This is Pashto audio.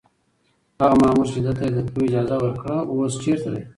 هغه مامور چې ده ته يې د تلو اجازه ورکړه اوس چېرته دی؟